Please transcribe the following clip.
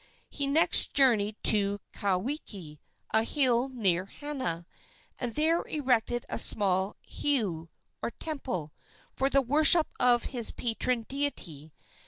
He next journeyed to Kauwiki, a hill near Hana, and there erected a small heiau, or temple, for the worship of his patron deity.